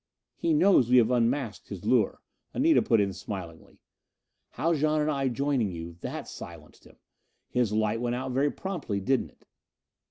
"He knows we have unmasked his lure," Anita put in smilingly. "Haljan and I joining you that silenced him. His light went out very promptly, didn't it?"